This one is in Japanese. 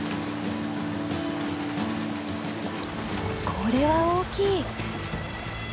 これは大きい。